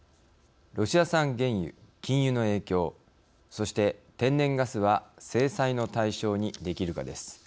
ロシア産原油禁輸の影響そして天然ガスは制裁の対象にできるかです。